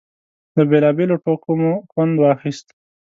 له بېلابېلو ټوکو مو خوند اخيست.